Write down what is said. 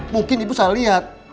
mungkin ibu salah liat